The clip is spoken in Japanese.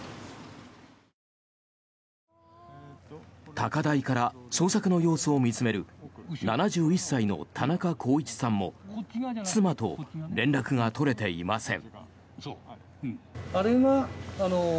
高台から捜索の様子を見つめる７１歳の田中公一さんも妻と連絡が取れていません。